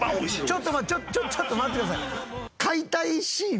ちょっとちょっと待ってください！